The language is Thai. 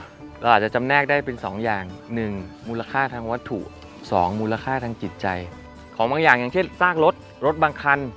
เราอาจจะจำแนกได้เป็นสองอย่างหนึ่งมูลค่าทางวัตถุสองมูลค่าทางจิตใจของบางอย่างอย่างเช่นซากรถรถบางคัน